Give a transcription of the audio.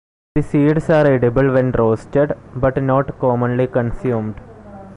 The seeds are edible when roasted, but not commonly consumed.